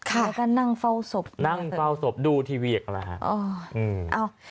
แล้วก็นั่งเฝ้าศพนั่งเฝ้าศพดูทีวีอีกแล้วฮะ